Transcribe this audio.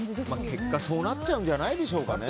結果、そうなっちゃうんじゃないんですかね。